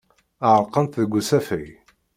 Ɛerqent deg usafag.